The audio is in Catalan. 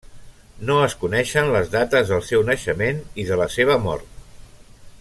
No es coneixen les dates del seu naixement i de la seva mort.